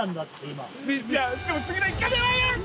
今でも次の１回じゃない！？